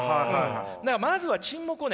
だからまずは沈黙をね